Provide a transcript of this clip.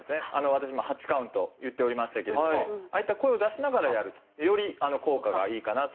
私も８カウント言っておりましたけれどもああいった声を出しながらやるとより効果がいいかなと思います。